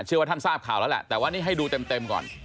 เชื่อว่าท่านทราบข่าวแล้วแหละแต่ว่านี่ให้ดูเต็มก่อน